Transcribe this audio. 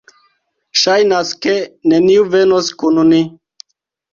Ŝajnas, ke neniu venos kun ni